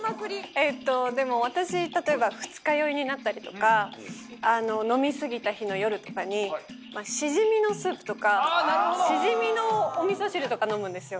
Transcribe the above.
えっとでも私例えば二日酔いになったりとか飲み過ぎた日の夜とかにしじみのスープとかとか飲むんですよ